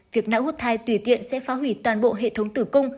việc não hút thai tùy tiện sẽ phá hủy toàn bộ hệ thống tử cung